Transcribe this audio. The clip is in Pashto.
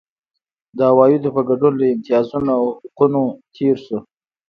د عوایدو په ګډون له امتیازونو او حقونو تېر شو.